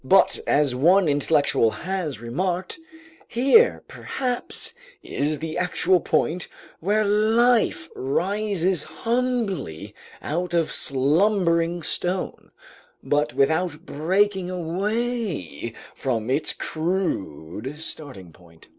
But as one intellectual has remarked, "Here, perhaps, is the actual point where life rises humbly out of slumbering stone, but without breaking away from its crude starting point."